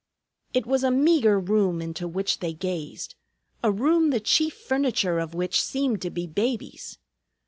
It was a meagre room into which they gazed, a room the chief furniture of which seemed to be babies.